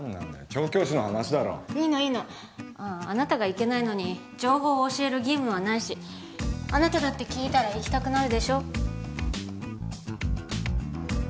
調教師の話だろいいのいいのあなたが行けないのに情報を教える義務はないしあなただって聞いたら行きたくなるでしょ？